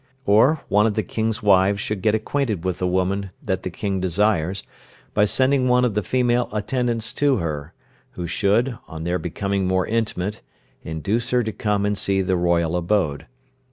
Or, one of the King's wives should get acquainted with the woman that the King desires, by sending one of the female attendants to her, who should, on their becoming more intimate, induce her to come and see the royal abode.